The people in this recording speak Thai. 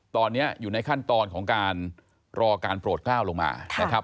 ตอนนี้อยู่ในขั้นตอนของการรอการโปรดกล้าวลงมานะครับ